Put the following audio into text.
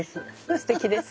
すてきです。